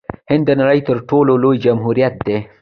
هند د نړۍ تر ټولو لوی جمهوریت دی.